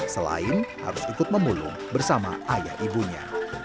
selain harus ikut memulung bersama ayah ibunya